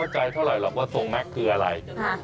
ผมไม่เข้าใจเท่าไหร่หรอกว่าส่องแม็กซ์คืออะไร